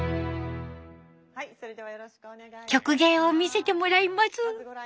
曲芸を見せてもらいます。